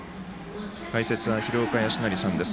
解説は廣岡資生さんです。